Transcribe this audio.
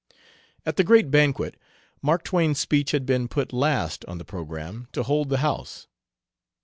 At the great banquet Mark Twain's speech had been put last on the program, to hold the house.